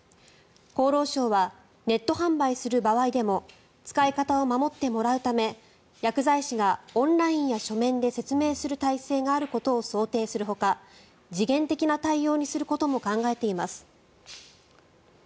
厚労省はネット販売する場合でも使い方を守ってもらうため薬剤師がオンラインや書面で説明する体制があることを想定するほか時限的な対応にすることも考えています。